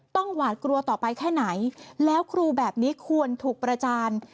หวาดกลัวต่อไปแค่ไหนแล้วครูแบบนี้ควรถูกประจาน